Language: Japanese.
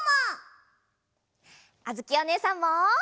あづきおねえさんも！